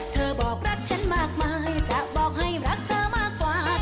บอกรักฉันมากมายจะบอกให้รักเธอมากกว่า